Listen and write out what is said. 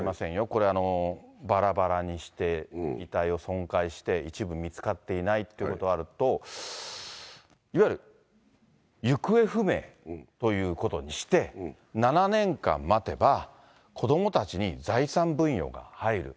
これ、ばらばらにして遺体を損壊して、一部見つかっていないということがあると、いわゆる行方不明ということにして、７年間待てば、子どもたちに財産分与が入る。